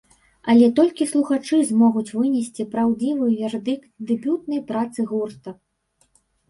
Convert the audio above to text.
Але толькі слухачы змогуць вынесці праўдзівы вердыкт дэбютнай працы гурта.